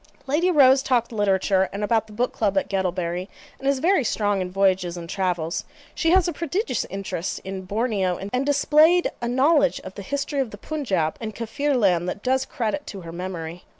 Lady Rose talked literature, and about the book club at Guttlebury, and is very strong in voyages and travels. She has a prodigious interest in Borneo, and displayed a knowledge of the history of the Punjaub and Kaffirland that does credit to her memory.